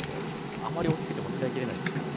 あまり大きくても使いきれないですからね。